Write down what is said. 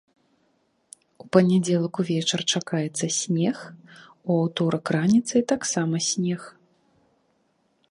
У панядзелак увечар чакаецца снег, у аўторак раніцай таксама снег.